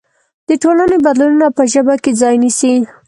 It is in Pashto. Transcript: د ټولنې بدلونونه په ژبه کې ځای نيسي.